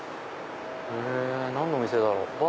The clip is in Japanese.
何のお店だろう？